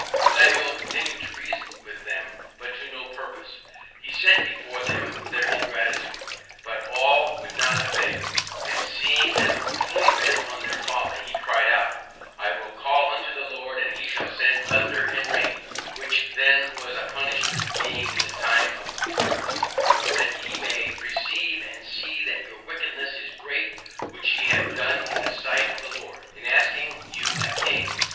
Samuel continued to reason with them, but to no purpose; he set before them their ingratitude, but all would not avail; and seeing them fully bent on their folly, he cried out, I WILL CALL UNTO THE LORD, AND HE SHALL SEND THUNDER AND RAIN (which then was a punishment, being in the time of wheat harvest) THAT YE MAY PERCEIVE AND SEE THAT YOUR WICKEDNESS IS GREAT WHICH YE HAVE DONE IN THE SIGHT OF THE LORD, IN ASKING YOU A KING.